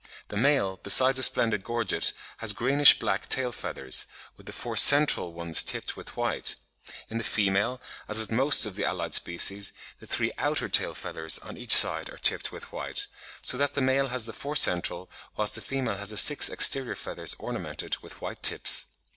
The male, besides a splendid gorget, has greenish black tail feathers, with the four CENTRAL ones tipped with white; in the female, as with most of the allied species, the three OUTER tail feathers on each side are tipped with white, so that the male has the four central, whilst the female has the six exterior feathers ornamented with white tips.